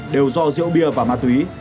đều do rượu bia và ma túy